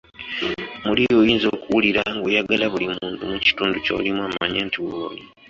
Muli oyinza okuwulira ng'oyagala buli muntu mu kitundu ky'olimu amanye nti w'oli.